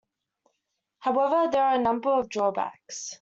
However, there are a number of drawbacks.